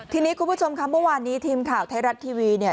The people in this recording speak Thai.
ทีนี้คุณผู้ชมค่ะเมื่อวานนี้ทีมข่าวไทยรัฐทีวีเนี่ย